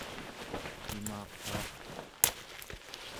imaqaartuq